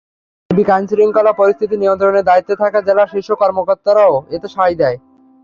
সার্বিক আইনশৃঙ্খলা পরিস্থিতি নিয়ন্ত্রণের দায়িত্বে থাকা জেলার শীর্ষ কর্মকর্তারাও এতে সায় দেন।